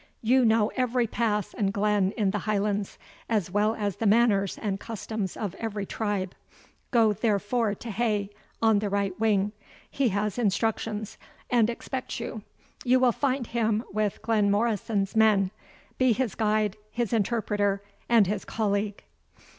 You know every pass and glen in the Highlands, as well as the manners and customs of every tribe. Go therefore to Hay, on the right wing; he has instructions, and expects you. You will find him with Glenmorrison's men; be his guide, his interpreter, and his colleague."